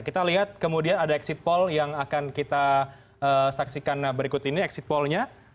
kita lihat kemudian ada exit poll yang akan kita saksikan berikut ini exit pollnya